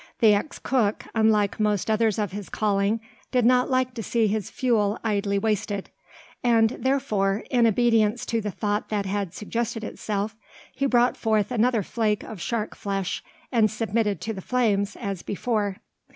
The ex cook, unlike most others of his calling, did not like to see his fuel idly wasted: and therefore, in obedience to the thought that had suggested itself, he brought forth another flake of shark flesh, and submitted to the flames, as before.